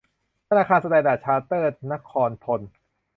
ธนาคารสแตนดาร์ดชาร์เตอร์ดนครธน